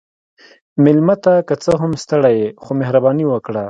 مېلمه ته که څه هم ستړی يې، خو مهرباني وکړه.